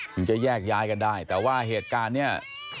ถึงจะแยกย้ายกันได้แต่ว่าเหตุการณ์เนี่ย